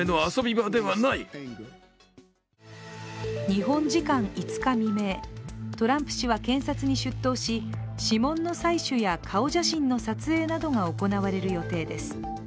日本時間５日未明、トランプ氏は検察に出頭し指紋の採取や顔写真の撮影などが行われる予定です。